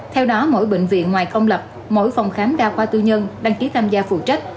theo đó mỗi bệnh viện ngoài công lập mỗi phòng khám đa khoa tư nhân đăng ký tham gia phụ trách